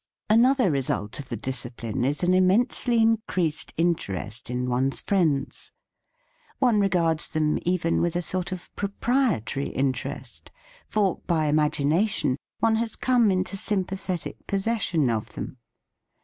:)::):* 4: Another result of the discipline is an immensely increased interest in one's friends. One regards them even with a sort of proprietary interest, for, by imagination, one has come into sym pathetic possession of them.